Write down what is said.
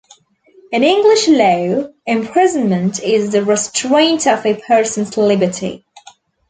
In English law, imprisonment is the restraint of a person's liberty.